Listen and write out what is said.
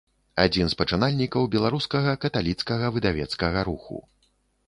Адзін з пачынальнікаў беларускага каталіцкага выдавецкага руху.